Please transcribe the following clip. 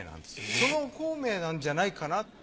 その『孔明』なんじゃないかな。